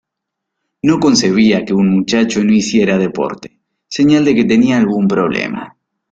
No concebía que un muchacho no hiciera deporte, señal de que tenía algún problema.